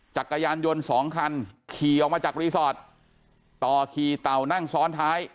จักรยานยนต์สองคันขี่ออกมาจากรีสอร์ทต่อขี่เต่านั่งซ้อนท้าย